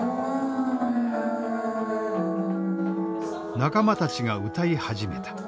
仲間たちが歌い始めた。